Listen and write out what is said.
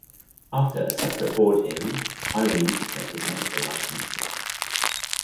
After a separate board hearing, Irones kept his medical license.